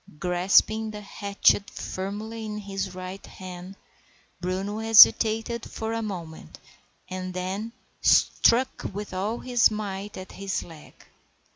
Grasping the hatchet firmly in his right hand, Bruno hesitated for a moment, and then struck with all his might at his leg.